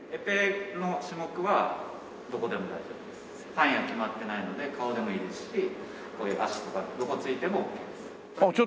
範囲が決まってないので顔でもいいですしこういう足とかどこ突いてもオッケーです。